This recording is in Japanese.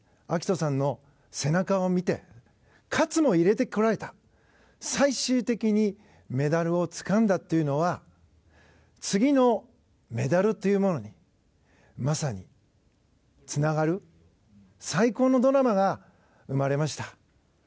暁斗さんの背中を見て最終的にメダルをつかんだというのは次のメダルというものにまさにつながる最高のドラマが生まれました。